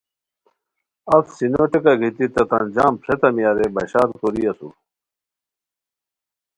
اف سینو ٹیکہ گیتی تیتان جم پھریتامیا رے بشار کوری اسور